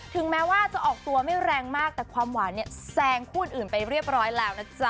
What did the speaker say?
ถึงแม้ว่าจะออกตัวไม่แรงมากแต่ความหวานเนี่ยแซงคู่อื่นไปเรียบร้อยแล้วนะจ๊ะ